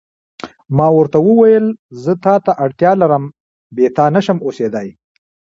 ما ورته وویل: زه تا ته اړتیا لرم، بې تا نه شم اوسېدای.